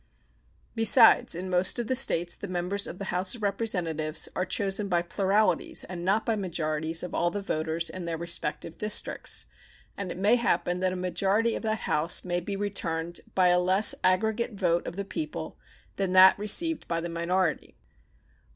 Besides, in most of the States the members of the House of Representatives are chosen by pluralities, and not by majorities of all the voters in their respective districts, and it may happen that a majority of that House may be returned by a less aggregate vote of the people than that received by the minority.